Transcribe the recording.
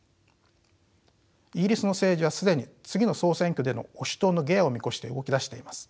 イギリスの政治は既に次の総選挙での保守党の下野を見越して動き出しています。